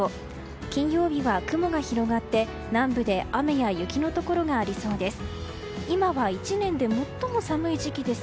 金曜日は雲が広がって南部で雨や雪のところがありそうです。